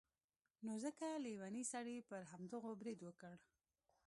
نو ځکه لیوني سړي پر همدغو برید وکړ.